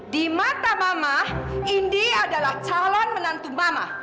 di mata mama indie adalah calon menantu mama